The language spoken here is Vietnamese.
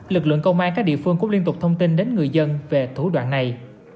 lực lượng công an các địa phương cũng liên tục thông tin đến người dân về thủ đoạn này